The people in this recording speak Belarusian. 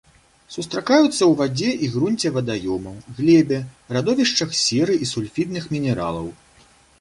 Сустракаюцца у вадзе і грунце вадаёмаў, глебе, радовішчах серы і сульфідных мінералаў.